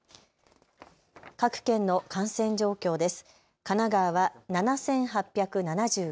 各県の感染状況です。